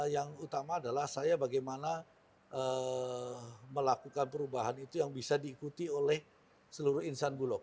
yang utama adalah saya bagaimana melakukan perubahan itu yang bisa diikuti oleh seluruh insan bulog